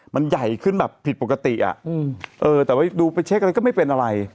มันใหญ่ขึ้นแบบผิดปกติอ่ะเออแต่ว่าดูไปเช็คอะไรก็ไม่เป็นอะไร